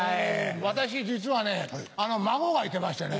私実はね孫がいてましてね。